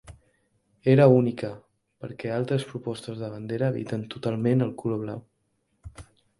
Era única, perquè altres propostes de bandera eviten totalment el color blau.